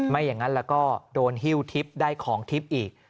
ไม่อย่างนั้นแล้วก็โดนฮิ้วทิพย์ได้ของทิพย์อีก